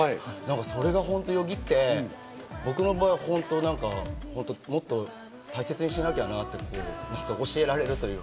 それが過って、僕の場合は本当に、もっと大切にしなきゃなって教えられるというか。